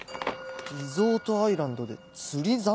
「リゾートアイランドで釣り三昧！」？